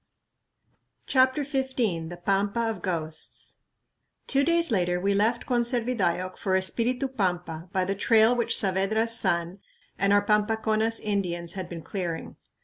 CHAPTER XV The Pampa of Ghosts Two days later we left Conservidayoc for Espiritu Pampa by the trail which Saavedra's son and our Pampaconas Indians had been clearing.